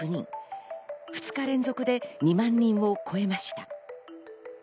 ２日連続で２万人を超えました。